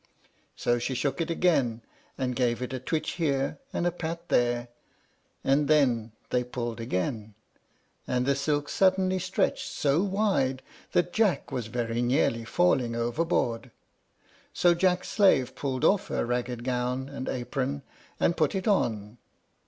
So she shook it again, and gave it a twitch here and a pat there; and then they pulled again, and the silk suddenly stretched so wide that Jack was very nearly falling overboard. So Jack's slave pulled off her ragged gown and apron, and put it on.